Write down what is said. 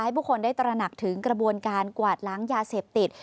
ผู้คนได้ตระหนักถึงกระบวนการกวาดล้างยาเสพติด